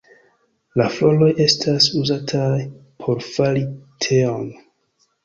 La floroj estas uzataj por fari teon.